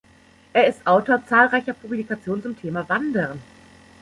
Er ist Autor zahlreicher Publikationen zum Thema Wandern.